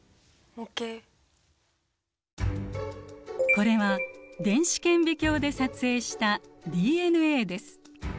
これは電子顕微鏡で撮影したＤＮＡです。